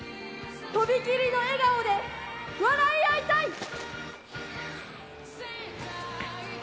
とびきりの笑顔で笑い合いたい。